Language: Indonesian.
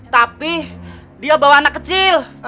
tapi dia bawa anak kecil